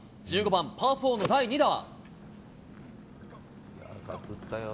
１３番パー４の第２打。